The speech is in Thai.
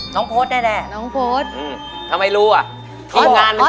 น้องโพชแน่เขาก็ไม่รู้น่ะ